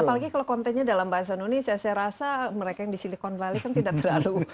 apalagi kalau kontennya dalam bahasa noni saya rasa mereka yang di silicon valley kan tidak terlalu